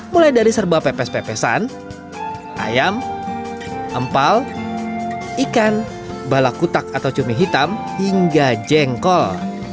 mulai dari serba pepes pepesan ayam empal ikan balakutak atau cumi hitam hingga jengkol